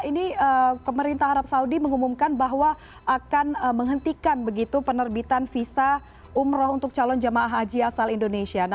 ini pemerintah arab saudi mengumumkan bahwa akan menghentikan begitu penerbitan visa umroh untuk calon jemaah haji asal indonesia